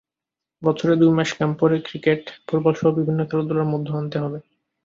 বছরে দুই মাস ক্যাম্প করে ক্রিকেট, ফুটবলসহ বিভিন্ন খেলাধুলার মধ্যে আনতে হবে।